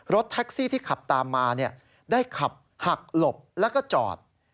รถแท็กซี่ที่ขับตามมาได้ขับหักหลบแล้วก็จอด